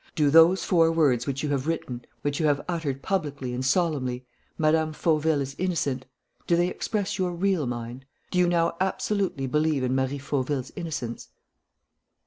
Do those four words which you have written, which you have uttered publicly and solemnly 'Mme. Fauville is innocent' do they express your real mind? Do you now absolutely believe in Marie Fauville's innocence?"